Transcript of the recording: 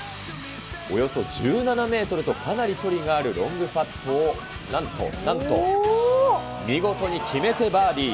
およそ１７メートルとかなり距離があるロングパットを、なんと、なんと、見事に決めてバーディー。